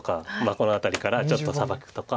この辺りからちょっとサバくとか。